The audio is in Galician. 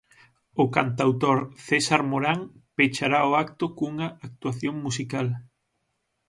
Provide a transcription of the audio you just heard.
O cantautor César Morán pechará o acto cunha actuación musical.